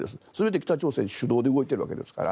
北朝鮮主導で動いているわけですから。